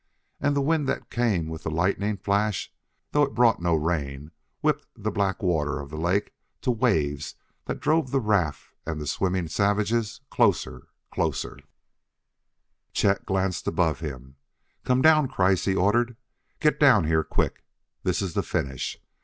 And the wind that came with the lightning flash, though it brought no rain, whipped the black water of the lake to waves that drove the raft and the swimming savages closer closer Chet glanced above him. "Come down, Kreiss!" he ordered. "Get down here, quick! This is the finish.